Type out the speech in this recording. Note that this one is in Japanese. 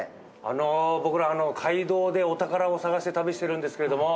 僕ら街道でお宝を探して旅してるんですけれども。